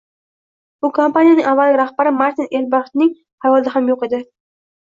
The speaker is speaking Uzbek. Bu kompaniyaning avvalgi rahbari Martin Eberhardning xayolida ham yo‘q edi.